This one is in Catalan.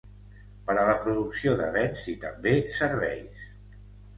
Per a la producció de bens i també serveis